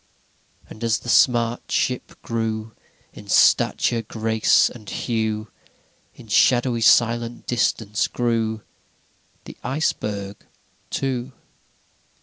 VIII And as the smart ship grew In stature, grace, and hue, In shadowy silent distance grew the Iceberg too.